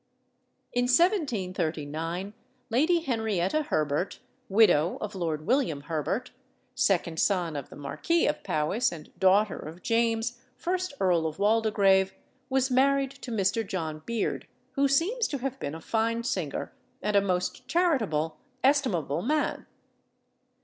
In 1739 Lady Henrietta Herbert, widow of Lord William Herbert, second son of the Marquis of Powis, and daughter of James, first Earl of Waldegrave, was married to Mr. John Beard, who seems to have been a fine singer and a most charitable, estimable man.